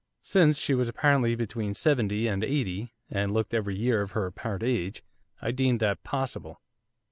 Since she was apparently between seventy and eighty and looked every year of her apparent age I deemed that possible.